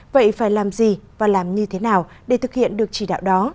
vậy phải làm gì và làm như thế nào để thực hiện được chỉ đạo đó